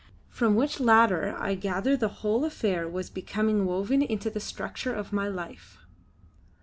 From which latter I gather that the whole affair was becoming woven into the structure of my life.